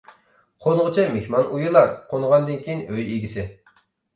قونغۇچە مېھمان ئۇيىلار، قونغاندىن كېيىن ئۆي ئىگىسى.